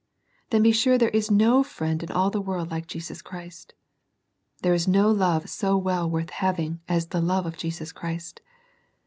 Then be sure there is no friend in all the world like Jesus Christ. There is no love so well worth having as the love of Jesus Christ.